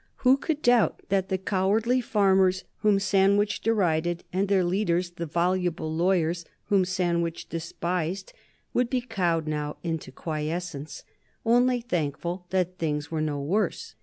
Who could doubt that the cowardly farmers whom Sandwich derided, and their leaders, the voluble lawyers whom Sandwich despised, would be cowed now into quiescence, only thankful that things were no worse?